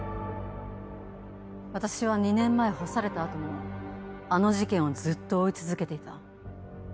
私は２年前干された後もあの事件をずっと追い続けていた。